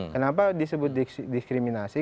kenapa disebut diskriminasi